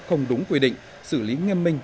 không đúng quy định xử lý nghiêm minh